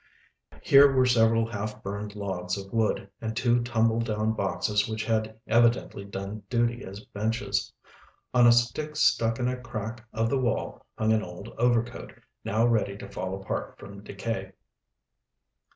Here were several half burned logs of wood, and two tumble down boxes which had evidently done duty as benches. On a stick stuck in a crack of the wall hung an old overcoat, now ready to fall apart from decay.